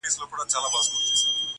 خدای به د وطن له مخه ژر ورک کړي دا شر~